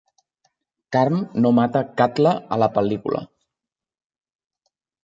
Karm no mata Kàtla a la pel·lícula.